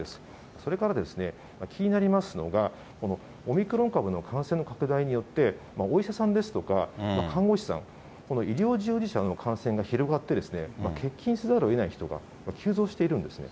それから気になりますのが、オミクロン株の感染の拡大によって、お医者さんですとか、看護師さん、この医療従事者の感染が広がって、欠勤せざるをえない人が急増しているんですね。